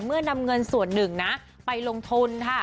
เมื่อนำเงินส่วนหนึ่งนะไปลงทุนฮะ